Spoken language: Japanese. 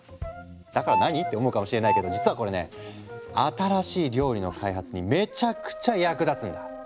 だから何？って思うかもしれないけど実はこれね新しい料理の開発にめちゃくちゃ役立つんだ。